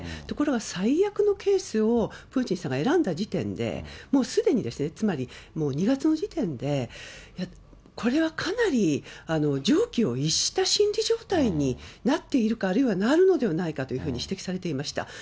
ところが、最悪のケースをプーチンさんが選んだ時点で、もうすでに、つまりもう２月の時点で、これはかなり常軌を逸した心理状態になっているか、あるいはなるのではないかというふうに指摘されていました。